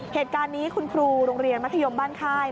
เหตุการณ์นี้คุณครูโรงเรียนมัธยมบ้านค่าย